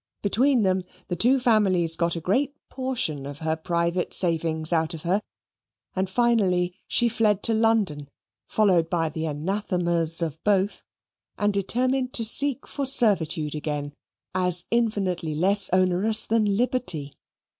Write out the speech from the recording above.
Between them the two families got a great portion of her private savings out of her, and finally she fled to London followed by the anathemas of both, and determined to seek for servitude again as infinitely less onerous than liberty.